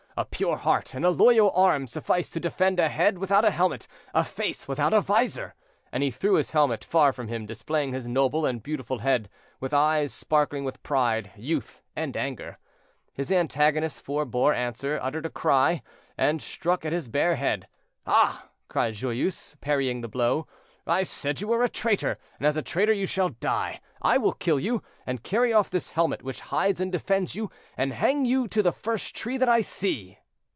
A pure heart and a loyal arm suffice to defend a head without a helmet, a face without a vizor;" and he threw his helmet far from him, displaying his noble and beautiful head, with eyes sparkling with pride, youth and anger. His antagonist forebore answer, uttered a cry, and struck at his bare head. "Ah!" cried Joyeuse, parrying the blow, "I said you were a traitor, and as a traitor you shall die. I will kill you, and carry off this helmet which hides and defends you, and hang you to the first tree that I see."